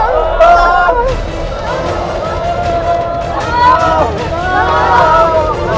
cara ini di taiwan